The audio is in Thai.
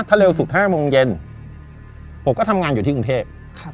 ถ้าเร็วสุด๕โมงเย็นผมก็ทำงานอยู่ที่กรุงเทพ